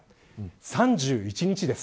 ３１日です。